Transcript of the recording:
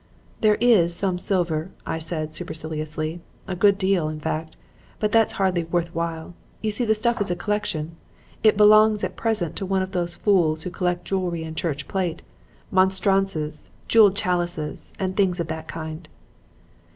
"'There is some silver,' I said, superciliously; 'a good deal, in fact. But that's hardly worth while. You see this stuff is a collection. It belongs, at present, to one of those fools who collect jewelry and church plate; monstrances, jeweled chalices and things of that kind.'